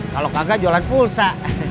kalau kagak jualan pulsa